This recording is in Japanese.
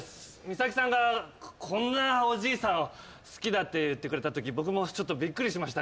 ミサキさんがこんなおじいさんを好きだって言ってくれたとき僕もびっくりしましたから。